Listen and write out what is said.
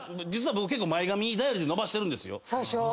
実は僕結構前髪頼りで伸ばしてるんですよ。